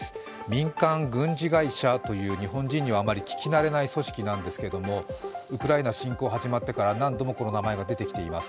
民間軍事会社という、日本人にはあまり聞き慣れない組織なんですけれども、ウクライナ侵攻が始まってから何度もこの名前が出てきています。